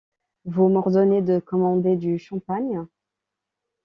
Vous m’ordonnez de commander du champagne.